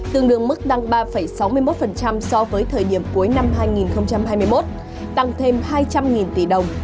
tương đương mức tăng ba sáu mươi một so với thời điểm cuối năm hai nghìn hai mươi một tăng thêm hai trăm linh tỷ đồng